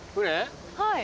はい。